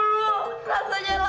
rasanya ella pengen telan aja bang ipan